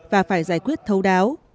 và phải giải quyết thấu đáo